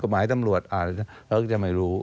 หมายตำรวจเราก็จะไม่รู้